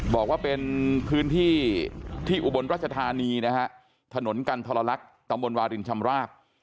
บอกว่าเป็นพื้นที่ที่อุบลรัชธานีนะฮะถนนกันทรลักษณ์ตำบลวารินชำราบ